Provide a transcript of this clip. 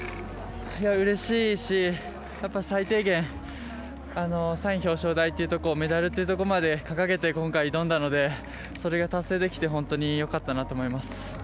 うれしいし、やっぱり最低限３位表彰台っていうところメダルというところまで掲げて今回挑んだのでそれが達成できて、本当によかったなと思います。